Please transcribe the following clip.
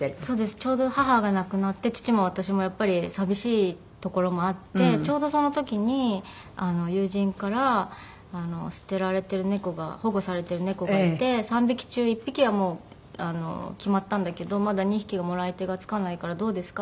ちょうど母が亡くなって父も私もやっぱり寂しいところもあってちょうどその時に友人から捨てられてる猫が保護されてる猫がいて３匹中１匹はもう決まったんだけどまだ２匹がもらい手がつかないからどうですか？